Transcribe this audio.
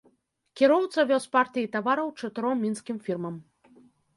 Кіроўца вёз партыі тавараў чатыром мінскім фірмам.